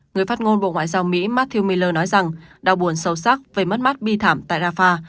người phát ngôn bộ ngoại giao mỹ matthew miller nói rằng đau buồn sâu sắc về mất mắt bi thảm tại rafah